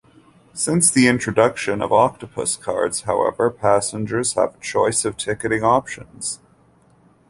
Since the introduction of Octopus cards, however, passengers have a choice of ticketing options.